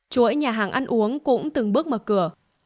chuỗi nhà hàng ăn uống cũng từng bước mở cửa